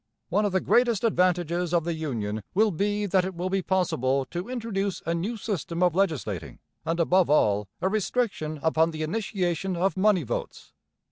One of the greatest advantages of the Union will be that it will be possible to introduce a new system of legislating, and above all, a restriction upon the initiation of money votes.